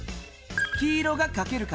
黄色がかける数。